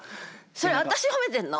それ私褒めてんの？